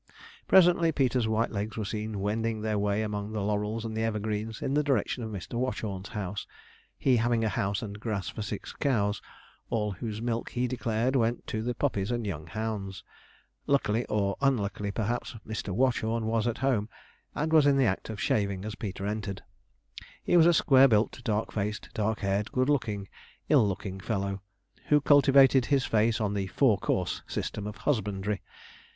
Presently Peter's white legs were seen wending their way among the laurels and evergreens, in the direction of Mr. Watchorn's house; he having a house and grass for six cows, all whose milk, he declared, went to the puppies and young hounds. Luckily, or unluckily perhaps, Mr. Watchorn was at home, and was in the act of shaving as Peter entered. He was a square built dark faced, dark haired, good looking, ill looking fellow who cultivated his face on the four course system of husbandry.